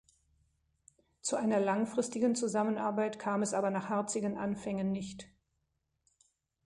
Zu einer langfristigen Zusammenarbeit kam es aber nach harzigen Anfängen nicht.